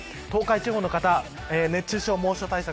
東海地方の方、熱中症、猛暑対策